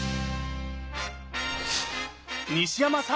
西山さん